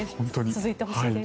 続いてほしいです。